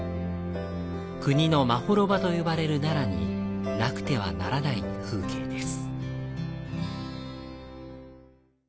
国のまほろばと呼ばれる奈良になくてはならない風景です。